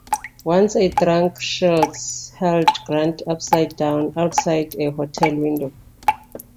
Once a drunk Shields held Grant upside down, outside a hotel window.